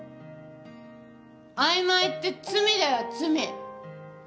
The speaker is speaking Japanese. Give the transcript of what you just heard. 曖昧って罪だよ罪。